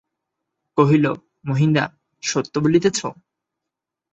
কহিল, মহিনদা, সত্য বলিতেছ?